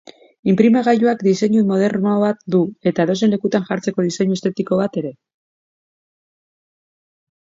Inprimagailuak diseinu moderno bat du eta edozein lekutan jartzeko diseinu estetiko bat ere.